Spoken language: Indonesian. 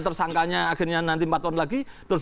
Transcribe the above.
tersangkanya akhirnya nanti empat tahun lagi terus